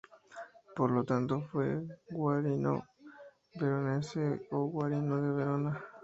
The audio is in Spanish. Por lo tanto, fue Guarino Veronese o Guarino da Verona.